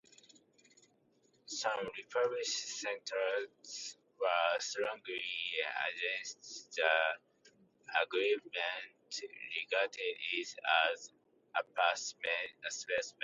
Some Republican Senators were strongly against the agreement, regarding it as appeasement.